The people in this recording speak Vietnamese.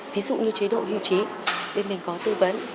ví dụ như chế độ hưu trí bên mình có tư vấn